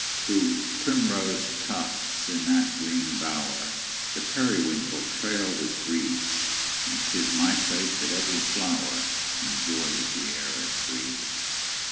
Through primrose tufts, in that green bower, The periwinkle trailed its wreaths; And 'tis my faith that every flower Enjoys the air it breathes.